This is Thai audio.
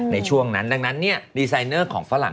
ในช่วงนั้นดังนั้นดีไซเนอร์ของฝรั่ง